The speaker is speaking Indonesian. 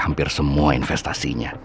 hampir semua investasinya